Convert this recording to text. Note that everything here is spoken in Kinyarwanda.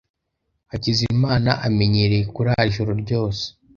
Hakizimana amenyereye kurara ijoro ryose.